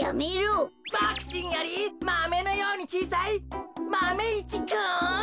ボクちんよりマメのようにちいさいマメ１くん！